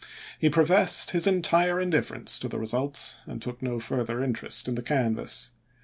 He professed his entire indifference to the result, and took no further interest in the canvass.